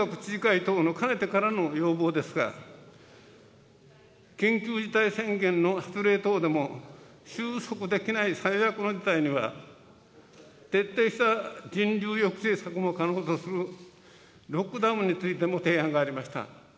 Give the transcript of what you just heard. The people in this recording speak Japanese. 国と地方の役割分担を、特措法上より明確にすることは、全国知事会等のかねてからの要望ですが、緊急事態宣言の発令等でも収束できない最悪の事態には、徹底した人流抑制策も可能とする、ロックダウンについても提案がありました。